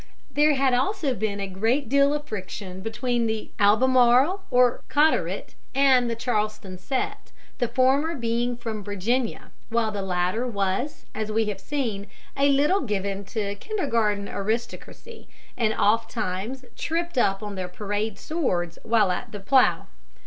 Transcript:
There had also been a great deal of friction between the Albemarle or Carteret and the Charleston set, the former being from Virginia, while the latter was, as we have seen, a little given to kindergarten aristocracy and ofttimes tripped up on their parade swords while at the plough.